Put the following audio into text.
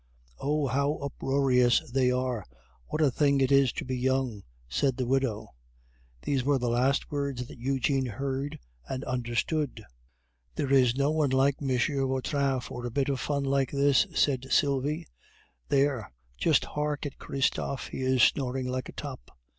"Oh! how uproarious they are! what a thing it is to be young!" said the widow. These were the last words that Eugene heard and understood. "There is no one like M. Vautrin for a bit of fun like this," said Sylvie. "There, just hark at Christophe, he is snoring like a top."